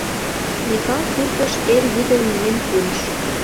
Микал суртыш эр йӱдым миен пурыш.